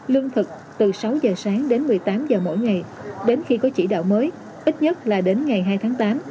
lương thực từ sáu giờ sáng đến một mươi tám h mỗi ngày đến khi có chỉ đạo mới ít nhất là đến ngày hai tháng tám